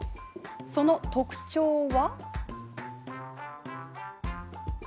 その特徴は？